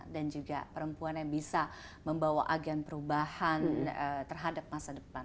dan juga perempuan yang bisa membawa agen perubahan terhadap masa depan